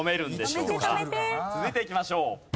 続いていきましょう。